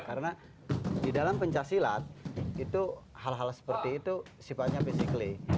karena di dalam pencaksilat itu hal hal seperti itu sifatnya fisikly